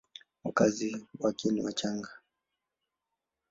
Wakazi wake ni Wachagga.